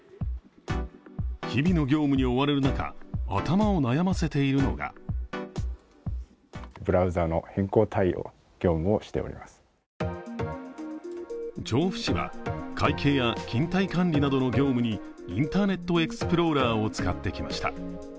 日々の業務に追われる中、頭を悩ませているのが調布市は、会計や勤怠管理などの業務にインターネットエクスプローラーを使ってきました。